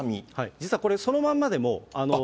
実はこれ、そのまんまでも。